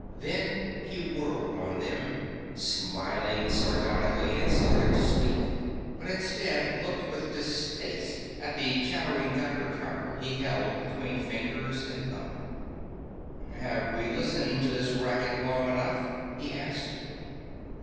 Then he whirled on them, smiling sardonically, and started to speak, but instead looked with distaste at the chattering Geiger counter he held between fingers and thumb. "Have we listened to this racket long enough?" he asked.